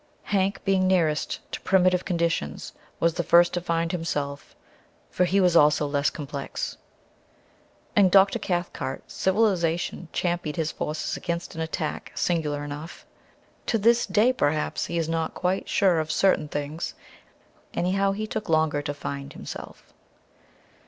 Hank, being nearest to primitive conditions, was the first to find himself, for he was also less complex. In Dr. Cathcart "civilization" championed his forces against an attack singular enough. To this day, perhaps, he is not quite sure of certain things. Anyhow, he took longer to "find himself."